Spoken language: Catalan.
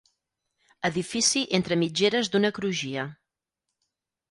Edifici entre mitgeres d'una crugia.